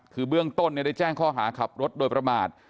คือเบื้องต้นได้แจ้งข้อหาขับรถโดยประมาท